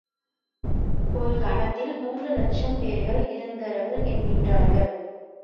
ஒரு கணத்தில் மூன்று லக்ஷம் பேர்கள் இறந்தார்கள் என்கின்றார்கள்.